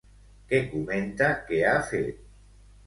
Què comenta que ha fet?